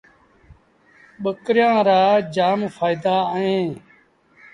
ٻڪريآݩ رآ جآم ڦآئيدآ اوهيݩ ۔